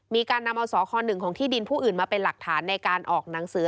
มีการนำเอาสค๑ของที่ดินผู้อื่นมาเป็นหลักฐานในการออกหนังสือ